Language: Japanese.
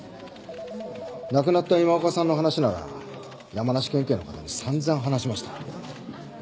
亡くなった今岡さんの話なら山梨県警の方に散々話しました。